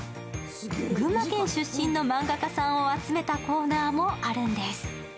群馬県出身の漫画家さんを集めたコーナーもあるんです。